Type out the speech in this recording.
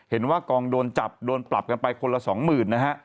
เห็นว่ากองโดนจับโดนปรับกันไปคนละสองหมื่นนะฮะ